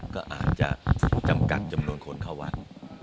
ก็อาจจะจำกัดจำนวนคนเข้าวัด